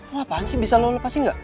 mau apaan sih bisa lo lepasin gak